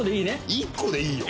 １個でいいよ。